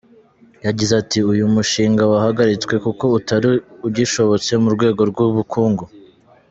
Yagize ati “Uyu mushinga wahagaritswe kuko utari ugishobotse mu rwego rw’ubukungu”.